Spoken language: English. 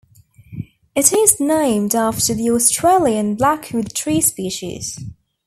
It is named after the Australian Blackwood tree species.